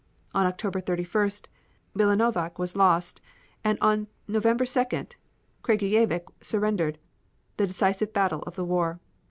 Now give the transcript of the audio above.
On October 31st, Milanovac was lost, and on November 2nd, Kraguyevac surrendered, the decisive battle of the war.